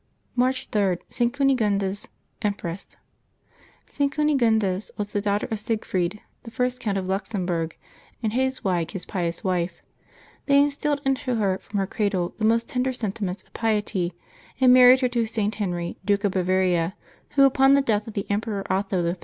March s—ST. CUNEGUNDES, Empress. [t. Cuxegundes was the daughter of Siegfried, the first Count of Luxemburg, and Hadeswige, his pious wife. They instilled into her from her cradle the most tender sentiments of piety, and married her to St. Henry, Duke of Bavaria, who, upon the death of the Emperor Otho III.